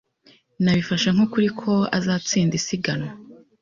Nabifashe nk'ukuri ko azatsinda isiganwa.